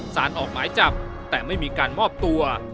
สารออกหมายจับแต่ไม่มีการมอบตัว